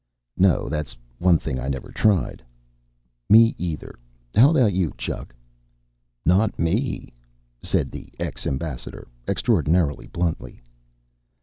"No, that's one thing I never tried." "Me, either. How about you, Chuck?" "Not me," said the ex ambassador extraordinary bluntly.